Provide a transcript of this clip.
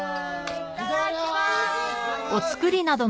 いただきます！